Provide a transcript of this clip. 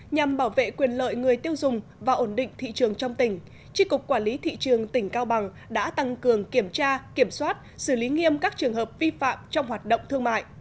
nhằm bảo vệ quyền lợi người tiêu dùng và ổn định thị trường trong tỉnh tri cục quản lý thị trường tỉnh cao bằng đã tăng cường kiểm tra kiểm soát xử lý nghiêm các trường hợp vi phạm trong hoạt động thương mại